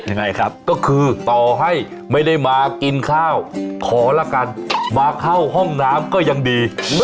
ยังไงครับก็คือต่อให้ไม่ได้มากินข้าวขอละกันมาเข้าห้องน้ำก็ยังดี